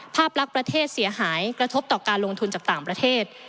ภาพลักษณ์ประเทศเสียหายกระทบต่อการลงทุนจากต่างประเทศ